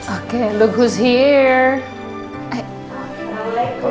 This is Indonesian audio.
oke lihat siapa di sini